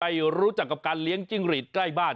รู้จักกับการเลี้ยงจิ้งหลีดใกล้บ้าน